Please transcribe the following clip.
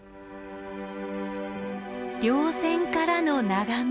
稜線からの眺め。